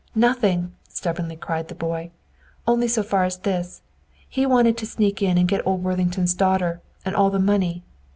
"Nothing," stubbornly cried the boy. "Only so far as this: he wanted to sneak in and get old Worthington's daughter, and all the money.